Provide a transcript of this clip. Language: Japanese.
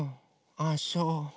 ああそう。